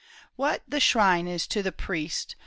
" What the shrine is to the priest.